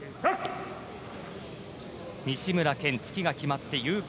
西村拳、突きが決まって有効。